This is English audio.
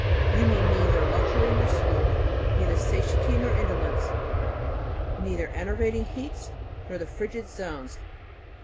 you mean neither luxury nor sloth, neither satiety nor indolence, neither enervating heats nor the Frigid Zones.